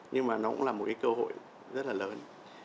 nhưng mà nó cũng là một cái cơ hội rất là lớn